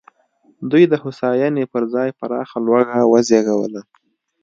دوی د هوساینې پر ځای پراخه لوږه وزېږوله.